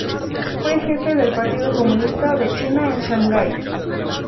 Fue jefe del Partido Comunista de China en Shanghái.